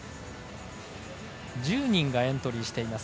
１０人がエントリーしています。